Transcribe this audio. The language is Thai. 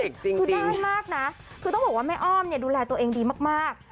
คือด้านมากนะคือต้องบอกว่าแม่อ้อมเนี่ยดูแลตัวเองดีมาก